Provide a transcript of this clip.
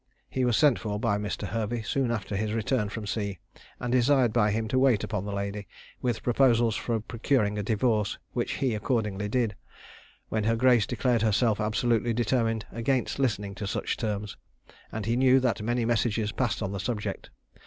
He was sent for by Mr. Hervey soon after his return from sea, and desired by him to wait upon the lady, with proposals for procuring a divorce, which he accordingly did; when her grace declared herself absolutely determined against listening to such terms; and he knew that many messages passed on the subject.